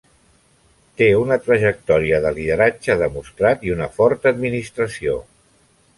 Té una trajectòria de lideratge demostrat i una forta administració.